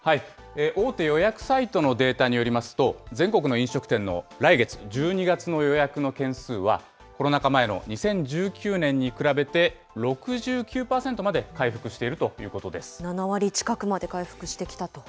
大手予約サイトのデータによりますと、全国の飲食店の来月・１２月の予約の件数は、コロナ禍前の２０１９年に比べて、６９％まで回復しているというこ７割近くまで回復してきたと。